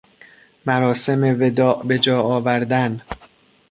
مراسم وداع بجا آوردن